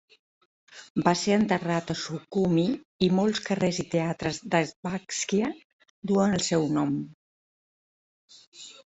Va ser enterrat a Sukhumi i molts carrers i teatres d'Abkhàzia duen el seu nom.